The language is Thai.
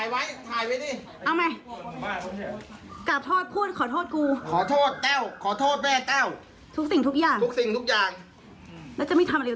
แล้วจะไม่ทำอะไรกับกูแล้วแล้วจะไม่ทำอะไรแล้วจะไม่ทำอะไรแล้วจะไม่ทำอะไร